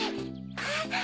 あっ